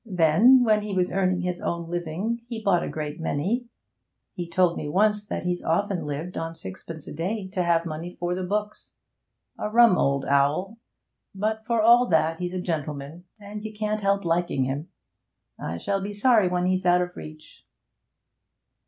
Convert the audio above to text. Then, when he was earning his own living, he bought a great many. He told me once that he's often lived on sixpence a day to have money for books. A rum old owl; but for all that he's a gentleman, and you can't help liking him. I shall be sorry when he's out of reach.'